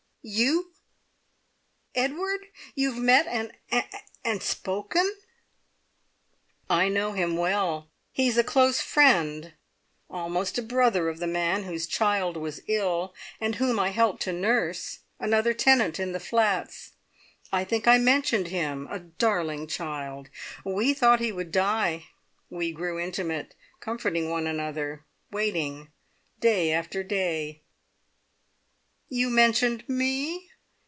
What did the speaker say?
You? Edward? You have met, and spoken?" "I know him well. He is a close friend, almost a brother of the man whose child was ill, and whom I helped to nurse another tenant in the flats. I think I mentioned him a darling child. We thought he would die. We grew intimate, comforting one another, waiting day after day " "You mentioned me?